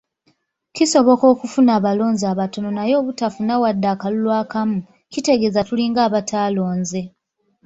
Kisoboka okufuna abalonzi abatono naye obutafuna wadde akalulu akamu, kitegeeza tulinga abataalonze.